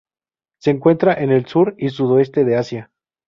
Se encuentra en el sur y sudeste de Asia.